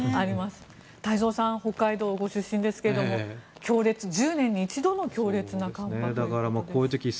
太蔵さん、北海道ご出身ですが強烈、１０年の一度の強烈な寒波ということです。